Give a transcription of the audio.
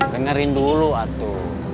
dengerin dulu atu